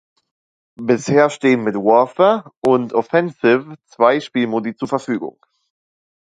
Bisher stehen mit „Warfare“ und „Offensive“ zwei Spielmodi zur Verfügung.